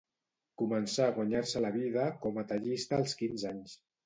Començà a guanyar-se la vida com a tallista als quinze anys.